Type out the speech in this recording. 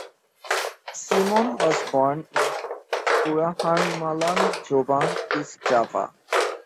Semaun was born in Curahmalang, Jombang, East Java.